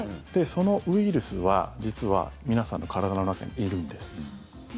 そのウイルスは実は皆さんの体の中にいるんです。